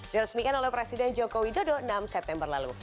diresmikan oleh presiden jokowi dodo enam september lalu